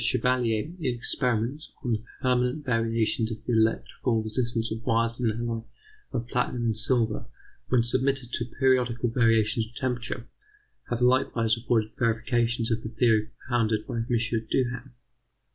Chevalier in experiments on the permanent variations of the electrical resistance of wires of an alloy of platinum and silver when submitted to periodical variations of temperature, have likewise afforded verifications of the theory propounded by M. Duhem.